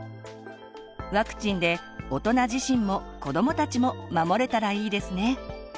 ワクチンで大人自身も子どもたちも守れたらいいですね。